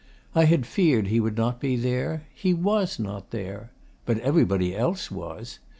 I had feared he would not be there. He was not there. But everybody else was.